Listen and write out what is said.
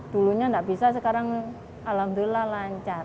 dulunya nggak bisa sekarang alhamdulillah lancar